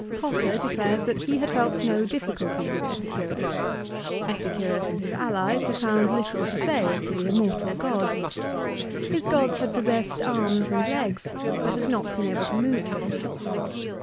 Cotta declares that he had felt no difficulty with Epicurus. Epicurus and his allies had found little to say as to the immortal gods. His gods had possessed arms and legs, but had not been able to move them.